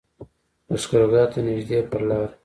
لښکرګاه ته نږدې پر لاره.